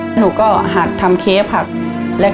หนูก็หัดทำเค้พลักษณ์